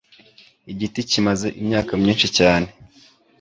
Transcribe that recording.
igiti Kimaze imyaka myinshi cyane.